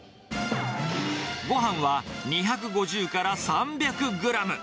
ごはんは２５０から３００グラム。